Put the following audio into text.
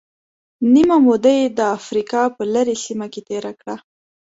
نیمه موده یې د افریقا په لرې سیمه کې تېره کړه.